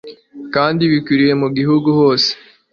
kandi bikwiriye mu gihugu hose